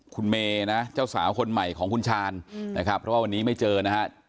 คุณเมนะเจ้าสาวคนใหม่ของคุณชาญนะครับเพราะว่าวันนี้ไม่เจอนะฮะ